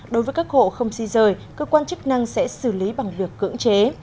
đối với các hộ không di rời cơ quan chức năng sẽ xử lý bằng việc cưỡng chế